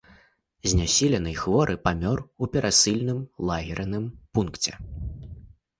Знясілены і хворы памёр у перасыльным лагерным пункце.